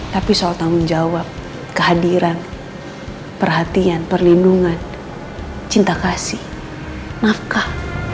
tapi soal tanggung jawab kehadiran perhatian perlindungan cinta kasih nafkah